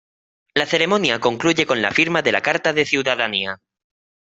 La ceremonia concluye con la firma de la carta de ciudadanía.